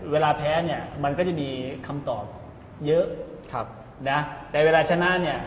เวลาแพ้เนี่ยมันก็จะมีคำตอบเยอะนะแต่เวลาชนะเนี่ย